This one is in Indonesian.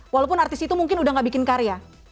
walaupun artis itu mungkin sudah tidak bikin karya